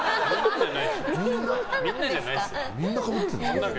みんなじゃないでしょ。